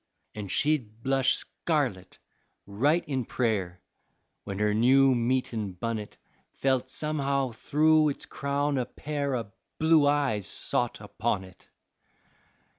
An' she'd blush scarlit, right in prayer, When her new meetin' bunnet Felt somehow thru' its crown a pair O' blue eyes sot upon it.